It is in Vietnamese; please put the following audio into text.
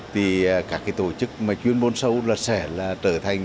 thì các tổ chức mà chuyên môn sâu là sẽ là trở thành